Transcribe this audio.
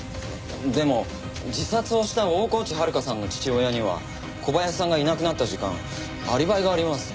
でも自殺をした大河内遥さんの父親には小林さんがいなくなった時間アリバイがあります。